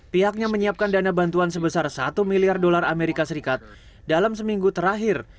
pemerintahnya menyiapkan dana bantuan sebesar satu miliar dolar as dalam seminggu terakhir